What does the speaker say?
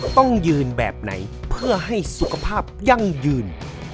ต้องยืนแบบไหนเพื่อให้สุขภาพยั่งยืน